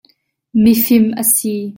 Mifim a si.